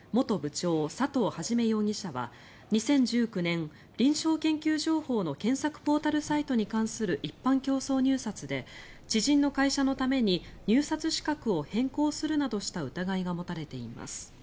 長佐藤元容疑者は２０１９年、臨床研究情報の検索ポータルサイトに関する一般競争入札で知人の会社のために入札資格を変更するなどした疑いが持たれています。